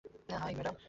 High, madam.